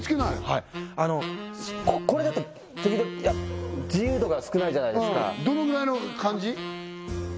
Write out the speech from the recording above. はいこれだと自由度が少ないじゃないですかどのぐらいの感じ？